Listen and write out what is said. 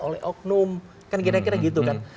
oleh oknum kan kira kira gitu kan